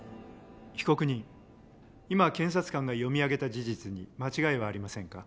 被告人今検察官が読み上げた事実に間違いはありませんか？